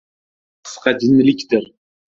• G‘azab ― qisqa jinnilikdir.